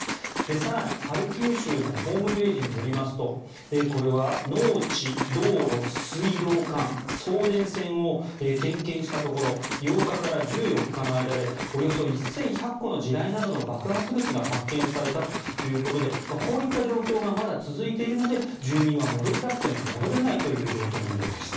更にハルキウ州のホームページによりますとこれは農地、道路、水道管、送電線を点検したところ８日から１４日の間でおよそ１１００個の地雷などの爆発物が発見されたということでこういった状況がまだ続いているので住民は戻りたくても戻れないという状況のようです。